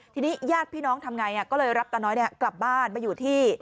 ทีนี้ญาติพี่น้องทำไงก็เลยรับตาน้อยกลับบ้านมาอยู่ที่